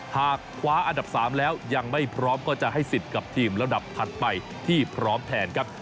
หากคว้าอันดับ๓แล้วยังไม่พร้อมก็จะให้สิทธิ์กับทีมระดับถัดไปที่พร้อมแทนครับ